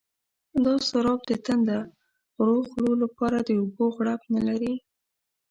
دا سراب د تنده غرو خولو لپاره د اوبو غړپ نه لري.